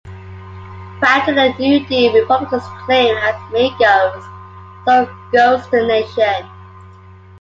Prior to the New Deal, Republicans claimed As Maine goes, so goes the nation.